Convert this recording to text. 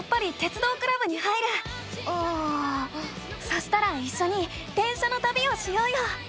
そしたらいっしょに電車のたびをしようよ！